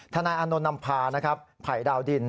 นายอานนท์นำพานะครับไผ่ดาวดิน